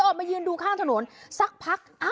ออกมายืนดูข้างถนนสักพัก